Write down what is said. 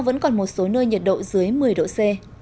vẫn còn một số nơi nhiệt độ dưới một mươi độ c